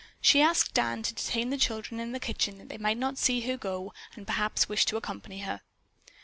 She asked Dan to detain the children in the kitchen that they might not see her go and perhaps wish to accompany her.